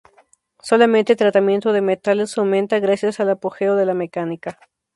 Solamente el tratamiento de metales aumenta, gracias al apogeo de la mecánica.